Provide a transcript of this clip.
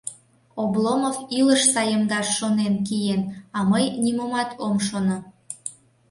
Обломов илыш саемдаш шонен киен, а мый нимомат ом шоно.